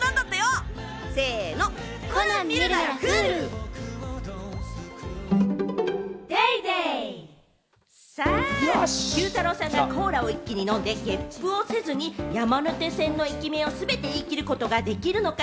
明星「中華三昧」さあ、Ｑ太郎さんがコーラを一気に飲んで、ゲップをせずに山手線の駅名をすべて言い切ることができるのか？